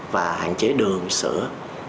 và hạn chế đường sữa